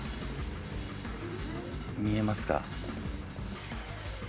見えますか？